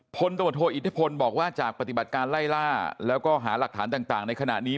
พลตำรวจโทอิทธิพลบอกว่าจากปฏิบัติการไล่ล่าแล้วก็หาหลักฐานต่างในขณะนี้